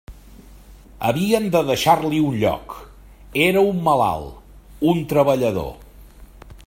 Havien de deixar-li un lloc: era un malalt, un treballador.